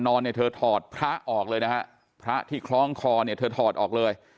นอนเนี่ยเธอถอดพระออกเลยนะฮะพระที่คล้องคอเนี่ยเธอถอดออกเลย